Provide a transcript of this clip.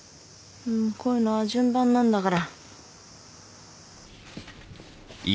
こういうのは順番なんだから。